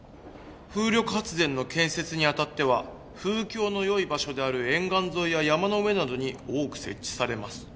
「風力発電の建設にあたっては風況の良い場所である沿岸沿いや山の上などに多く設置されます」